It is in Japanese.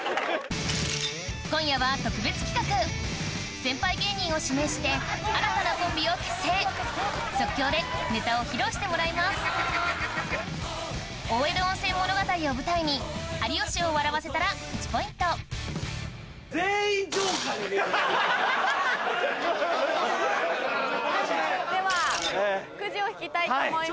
今夜は特別企画即興でネタを披露してもらいます大江戸温泉物語を舞台に有吉を笑わせたら１ポイントではくじを引きたいと思います。